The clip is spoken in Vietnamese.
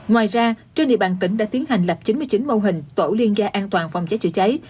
ngoài ra trên địa bàn tỉnh đã tiến hành lập chín mươi chín mô hình tổ liên gia an toàn phòng cháy chữa cháy